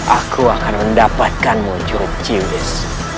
aku akan mendapatkanmu jurub chiwis